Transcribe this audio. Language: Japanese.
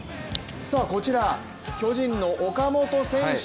こちら、巨人の岡本選手